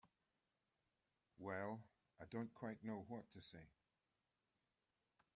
Well—I don't quite know what to say.